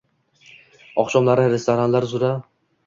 Oqshomlari restoranlar uzra